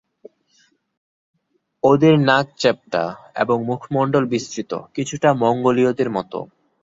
অওদের নাক চ্যাপ্টা এবং মুখমন্ডল বিস্তৃত, কিছুটা মঙ্গোলীয়দের মতো।